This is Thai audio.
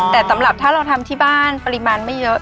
แต่สำหรับถ้าเราทำที่บ้านปริมาณไม่เยอะ